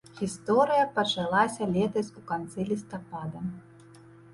Гісторыя пачалася летась у канцы лістапада.